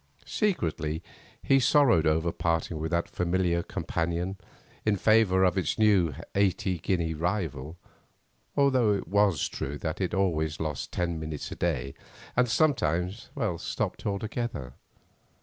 Secretly he sorrowed over parting with that familiar companion in favour of its new eighty guinea rival, although it was true that it always lost ten minutes a day, and sometimes stopped altogether.